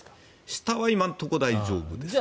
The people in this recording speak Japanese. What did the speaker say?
下は今のところ大丈夫です。